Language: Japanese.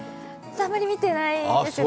あんまり見てないです